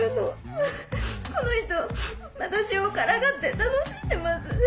この人私をからかって楽しんでます。